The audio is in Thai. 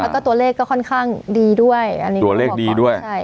แล้วก็ตัวเลขก็ค่อนข้างดีด้วยตัวเลขดีด้วย